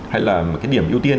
hay là cái điểm ưu tiên